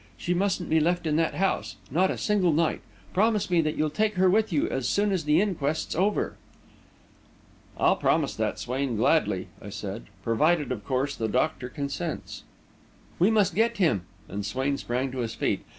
She mustn't be left in that house not a single night. Promise me that you'll take her with you as soon as the inquest's over!" "I'll promise that, Swain, gladly," I said, "provided, of course, the doctor consents." "We must get him," and Swain sprang to his feet.